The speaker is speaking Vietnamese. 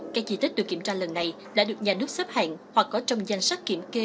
các di tích được kiểm tra lần này đã được nhà nước xếp hạng hoặc có trong danh sách kiểm kê